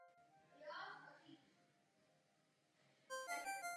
Vyhlásit opatření a otevřít úvěrové linie však nestačí.